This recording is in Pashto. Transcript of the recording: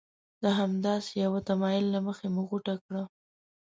د همداسې یوه تمایل له مخې مو غوټه کړه.